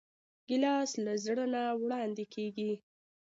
ګیلاس له زړه نه وړاندې کېږي.